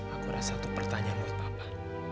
aku ada satu pertanyaan buat papa